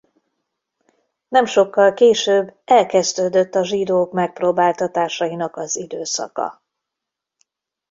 Nem sokkal később elkezdődött a zsidók megpróbáltatásainak az időszaka.